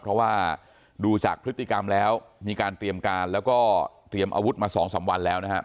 เพราะว่าดูจากพฤติกรรมแล้วมีการเตรียมการแล้วก็เตรียมอาวุธมา๒๓วันแล้วนะครับ